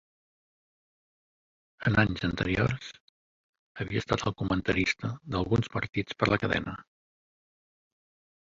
En anys anteriors, havia estat el comentarista d'alguns partits per la cadena.